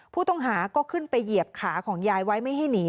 ผู้ต้องหาก็ขึ้นไปเหยียบขาของยายไว้ไม่ให้หนี